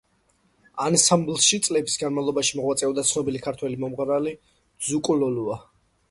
ანსამბლში წლების განმავლობაში მოღვაწეობდა ცნობილი ქართველი მომღერალი ძუკუ ლოლუა.